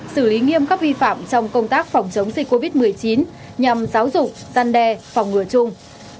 xử lý nghiêm các vi phạm trong công tác phòng chống dịch covid một mươi chín nhằm giáo dục gian đe phòng ngừa chung